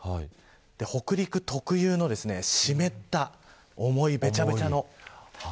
北陸特有の湿った重いべちゃべちゃの。